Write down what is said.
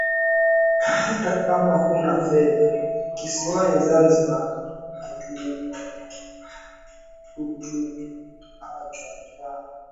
Hata kama huna fedha kisiwani Zanzibar hutaachwa njaa